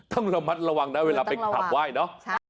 ต้องระมัดระวังนะเวลาไปขับไหว้เนอะ